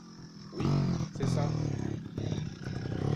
Oui !… c’est ça !…